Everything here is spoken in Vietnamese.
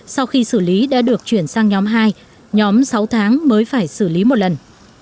sau khi xử lý đã được chuyển sang nhóm hai nhóm sáu tháng mới phải xử lý một lần